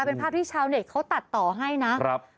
เป็นภาพที่ชาวเด็กเค้าตัดต่อให้นะ